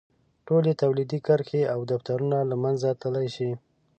ټولې تولیدي کرښې او دفترونه له منځه تللی شي.